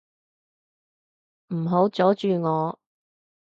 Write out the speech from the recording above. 唔好阻住我